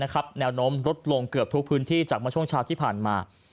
คงเกือบทุกพื้นที่จากเมื่อช่วงเช้าที่ผ่านมา